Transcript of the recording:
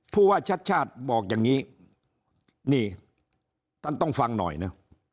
ผู้ว่าชัดชาติบอกอย่างนี้นี่ท่านต้องฟังหน่อยนะ